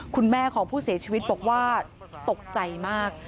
คุณแม่ของผู้เสียชีวิตบอกว่าตกใจมาก